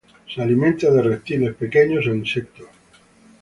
Se alimenta de reptiles pequeños e insectos.